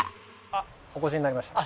あっお越しになりました。